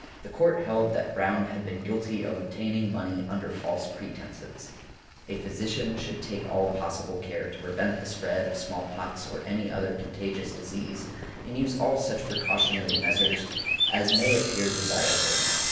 The Court held that Brown had been guilty of obtaining money under false pretences . A physician should take all possible care to prevent the spread of smallpox or any other contagious disease, and use all such precautionary measures as may appear desirable.